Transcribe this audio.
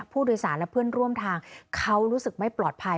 ผู้โดยสารและเพื่อนร่วมทางเขารู้สึกไม่ปลอดภัย